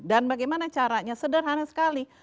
dan bagaimana caranya sederhana sekali